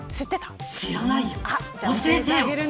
知らないよ、教えて。